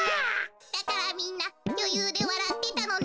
だからみんなよゆうでわらってたのね。